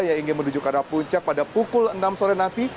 yang ingin menuju ke arah puncak pada pukul enam sore nanti